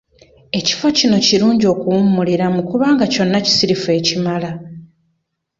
Ekifo kino kirungi okuwummuliramu kubanga kyonna kisirifu ekimala.